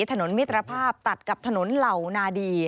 ถนนมิตรภาพตัดกับถนนเหล่านาดี